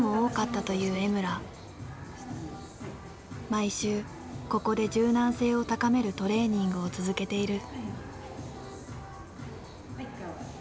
毎週ここで柔軟性を高めるトレーニングを続けている。